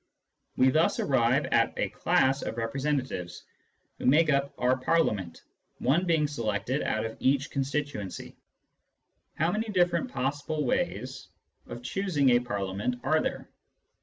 We thus arrive at a class of representatives, who make up our Parliament, one being selected out of each con stituency. How many different possible ways of choosing, a Parliament are there